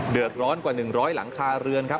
เดือกร้อนกว่าหนึ่งร้อยหลังคาเรือนครับ